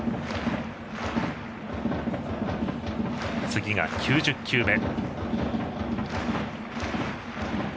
次が９０球目。